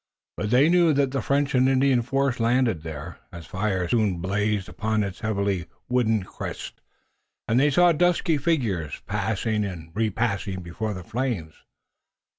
But they knew that the French and Indian force landed there, as fires soon blazed upon its heavily wooded crest, and they saw dusky figures passing and repassing before the flames.